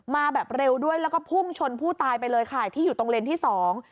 มาแบบเร็วด้วยแล้วก็พุ่งชนผู้ตายไปเลยค่ะที่อยู่ตรงเลนที่สอง